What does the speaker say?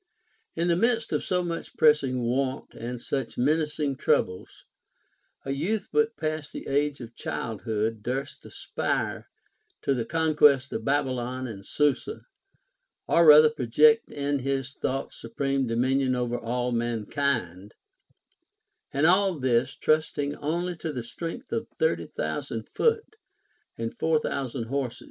In the midst of so much pressing want and such menacing troubles, a youth but new past the age of child hood durst aspire to the concμlest of Babylon and Susa, or rather project in his thoughts supreme dominion over all mankind ; and all this, trusting only to the strength of thirty thousand foot and four thousand horse.